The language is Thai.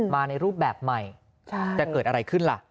มาในรูปแบบใหม่จะเกิดอะไรขึ้นล่ะ